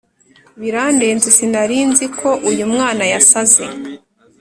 birandenze sinari nziko uyu mwana yasaze